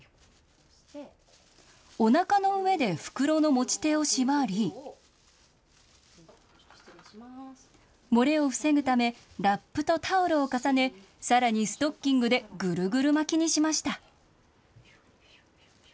おなかの上で袋の持ち手を縛り、漏れを防ぐため、ラップとタオルを重ね、さらにストッキングでぐるぐる巻きにしました。